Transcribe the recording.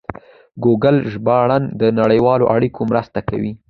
ګوګل ژباړن د نړیوالو اړیکو مرسته کوي.